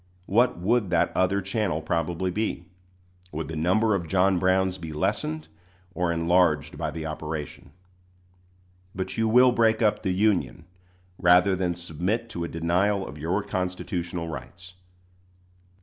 What would that other channel probably be? Would the number of John Browns be lessened or enlarged by the operation? But you will break up the Union rather than submit to a denial of your constitutional rights.